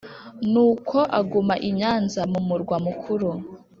nuko aguma i nyanza mu murwa mukuru,